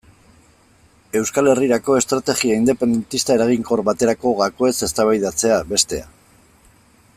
Euskal Herrirako estrategia independentista eraginkor baterako gakoez eztabaidatzea, bestea.